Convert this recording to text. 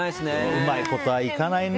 うまいことはいかないね。